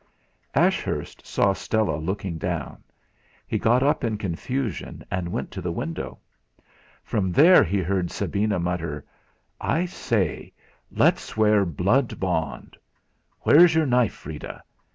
Ashurst saw Stella looking down; he got up in confusion, and went to the window. From there he heard Sabina mutter: "I say, let's swear blood bond. Where's your knife, Freda?"